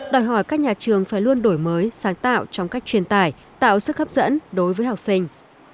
đòi hỏi các nhà trường phải luôn đổi mới sáng tạo trong cách truyền tải tạo sức hấp dẫn đối với học sinh